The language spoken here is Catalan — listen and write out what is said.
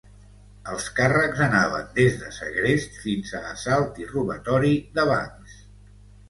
Els càrrecs anaven des de segrest fins a assalt i robatori de bancs.